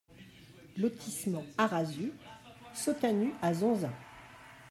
Lotissement Arasu Sottanu à Zonza